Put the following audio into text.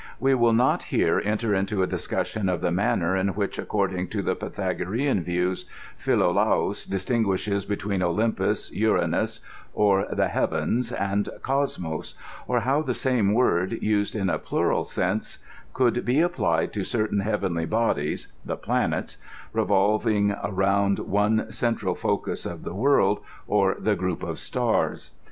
We will not here enter into a discussion of the manner in which, according to the Pythago rean views, Philolatis distinguishes between Olympus, Uranus, or the heavens, and Cosmos, or how the same word, used in a plural sense, could be applied to certain heavenly bodies (the Janets) revolving round one central focus of the world, or to groups of stars.